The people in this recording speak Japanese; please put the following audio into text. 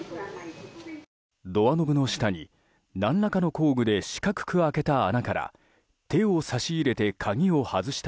ドアノブの下に何らかの工具で四角く開けた穴から手を差し入れて鍵を外した